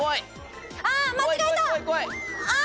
ああ！